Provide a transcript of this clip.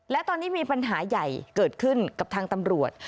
และตอนนี้มีปัญหาใหญ่เกิดขึ้นกับทางตำรวจ